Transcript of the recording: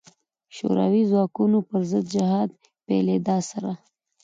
شوروي ځواکونو پر ضد جهاد پیلېدا سره.